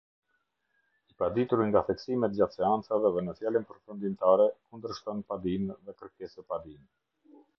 I padituri nga theksimet gjatë seancave dhe në fjalën përfundimtare kundërshton padinë dhe kërkesëpadinë.